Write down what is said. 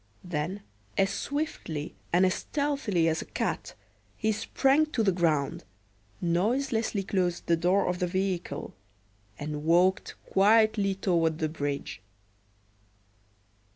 Then as swiftly and as stealthily as a cat he sprang to the ground, noiselessly closed the door of the vehicle, and walked quietly toward the bridge.